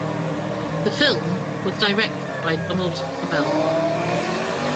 The film was directed by Donald Cammell.